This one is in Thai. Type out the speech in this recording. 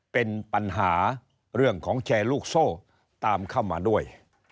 เป็นปัญหาเรื่องของแชร์ลูกโซ่ตามเข้ามาด้วย